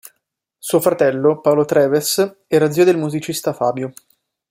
Suo fratello, Paolo Treves, era zio del musicista Fabio.